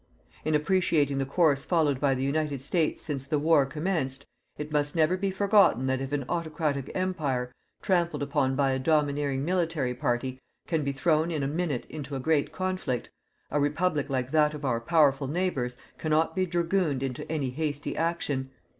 In appreciating the course followed by the United States since the war commenced, it must never be forgotten that if an autocratic Empire, trampled upon by a domineering military party, can be thrown in a minute into a great conflict, a Republic like that of our powerful neighbours cannot be dragooned into any hasty action.